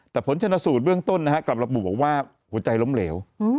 แต่ผลชนสูตรเบื้องต้นกลับระบุบอกว่าหัวใจล้มเหลว